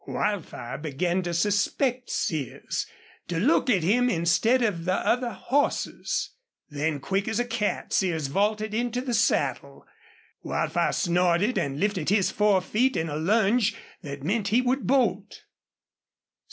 Wildfire began to suspect Sears to look at him instead of the other horses. Then quick as a cat Sears vaulted into the saddle. Wildfire snorted and lifted his forefeet in a lunge that meant he would bolt.